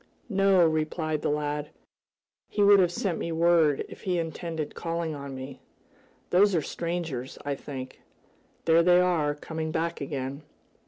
"No," replied the lad. "He would have sent me word if he intended calling on me. Those are strangers, I think. There they are, coming back again."